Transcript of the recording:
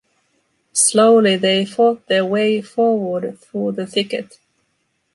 Slowly they fought their way forward through the thicket.